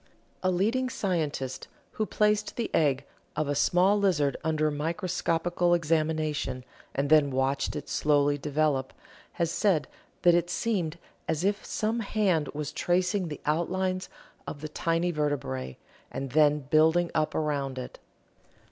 A leading scientist who placed the egg of a small lizard under microscopical examination and then watched it slowly develop has said that it seemed as if some hand was tracing the outlines of the tiny vertebrae, and then building up around it.